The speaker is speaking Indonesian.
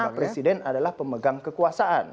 karena presiden adalah pemegang kekuasaan